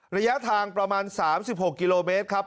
ระยะทางประมาณ๓๖กิโลเมตรครับ